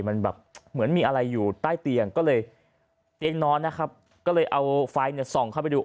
มันแบบเหมือนมีอะไรอยู่ใต้เตียงก็เลยเตียงนอนนะครับก็เลยเอาไฟเนี่ยส่องเข้าไปดู